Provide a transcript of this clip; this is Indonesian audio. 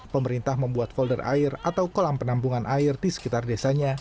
pemerintah membuat folder air atau kolam penampungan air di sekitar desanya